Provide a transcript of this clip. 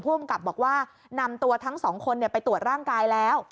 ภูมิกับบอกว่านำตัวทั้งสองคนไปตรวจร่างกายแล้ว